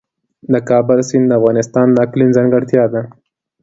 د کابل سیند د افغانستان د اقلیم ځانګړتیا ده.